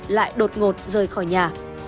lại đột ngột rời khỏi nhà